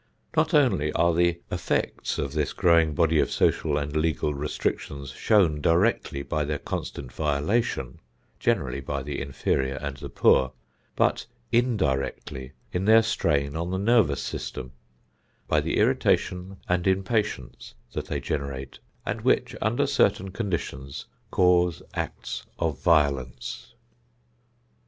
Not only are the effects of this growing body of social and legal restrictions shown directly by their constant violation, generally by the inferior and the poor, but indirectly in their strain on the nervous system; by the irritation and impatience that they generate, and which, under certain conditions cause acts of violence.